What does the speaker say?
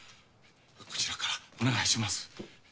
こちらからお願いします。